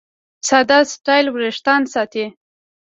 ساده سټایل وېښتيان ساتي.